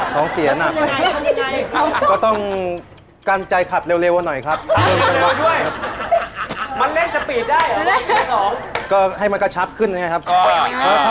เคยมีเหตุการณ์ที่มันพลาดเผลอใจหรือไหมคะ